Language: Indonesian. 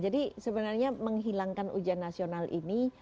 jadi sebenarnya menghilangkan ujian nasional ini